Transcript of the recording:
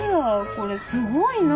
これすごいな。